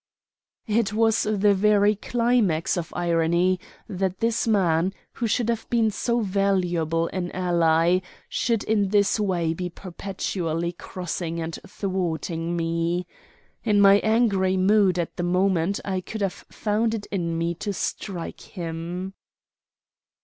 It was the very climax of irony that this man, who should have been so valuable an ally, should in this way be perpetually crossing and thwarting me. In my angry mood at the moment I could have found it in me to strike him.